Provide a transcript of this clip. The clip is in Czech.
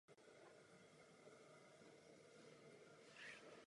Usiluje především o rozvoj moravského kulturního národního povědomí.